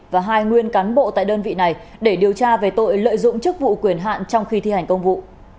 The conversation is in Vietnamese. và hai nguyên cán bộ tại đơn vị này để điều tra về tội lợi dụng chức vụ quyền hạn trong khi thi hành công vụ